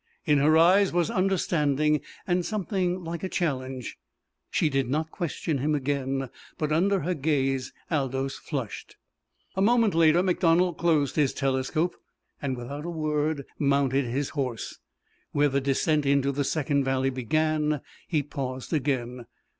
In her eyes was understanding, and something like a challenge. She did not question him again, but under her gaze Aldous flushed. A moment later MacDonald closed his telescope and without a word mounted his horse. Where the descent into the second valley began he paused again.